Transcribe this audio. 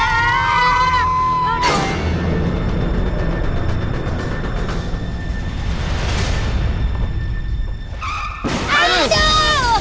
serem banget sih